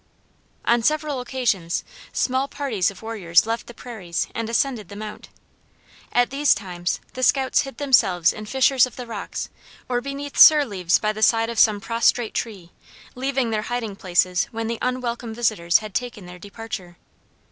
On several occasions small parties of warriors left the prairies and ascended the mount. At these times the scouts hid themselves in fissures of the rocks or beneath sere leaves by the side of some prostrate tree, leaving their hiding places when the unwelcome visitors had taken their departure.